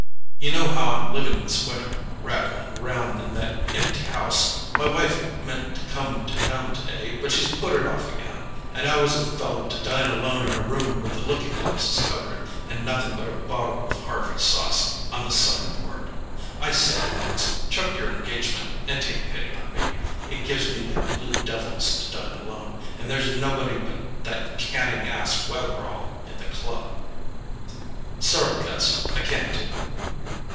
You know how I'm living this winter, rattling round in that empty house. My wife meant to come to town today, but she's put it off again, and how is a fellow to dine alone in a room with the looking glasses covered, and nothing but a bottle of Harvey sauce on the sideboard? I say, Lawrence, chuck your engagement and take pity on me—it gives me the blue devils to dine alone, and there's nobody but that canting ass Wetherall in the club." "Sorry, Gus—I can't do it."